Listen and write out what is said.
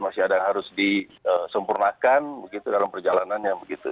masih ada yang harus disempurnakan begitu dalam perjalanannya begitu